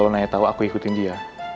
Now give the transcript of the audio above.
naya tau aku ikutin dia